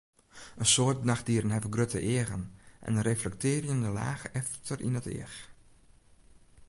In soad nachtdieren hawwe grutte eagen en in reflektearjende laach efter yn it each.